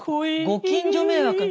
ご近所迷惑。